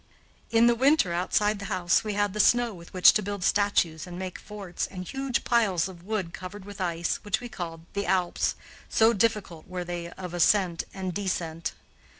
In the winter, outside the house, we had the snow with which to build statues and make forts, and huge piles of wood covered with ice, which we called the Alps, so difficult were they of ascent and descent.